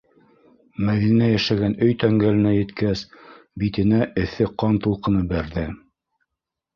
Мәҙинә йәшәгән өй тәңгәленә еткәс, битенә эҫе ҡан тулҡыны бәрҙе.